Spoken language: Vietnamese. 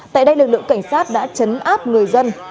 tại đây lực lượng cảnh sát đã chấn áp người dân